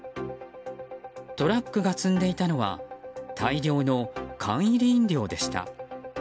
トラックが積んでいたのは大量の缶入り飲料でした。